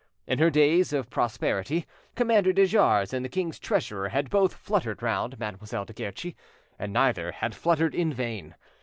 In her days of prosperity Commander de Jars and the king's treasurer had both fluttered round Mademoiselle de Guerchi, and neither had fluttered in vain.